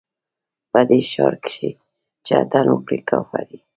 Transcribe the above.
په دې ښار کښې چې اتڼ وکړې، کافر يې